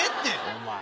お前。